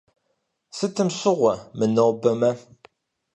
Сытым щыгъуэ, мынобэмэ?